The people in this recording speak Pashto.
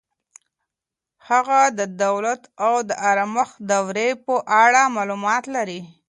هغه د دولت د آرامښت دورې په اړه معلومات لري.